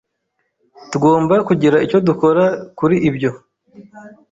Tugomba kugira icyo dukora kuri ibyo.